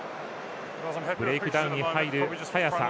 ブレイクダウンに入る速さ